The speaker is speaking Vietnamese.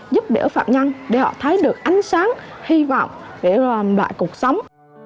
giúp đỡ phạm nhân để họ thấy được ánh sáng hy vọng để lại cuộc sống